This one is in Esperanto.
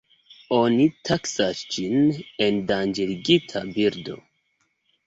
Oni taksas ĝin endanĝerigita birdo.